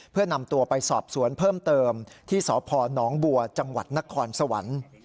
เพื่อนำตัวไปสอบสวนเพิ่มเติมที่สพนบัวจังหวัดนครสวรรค์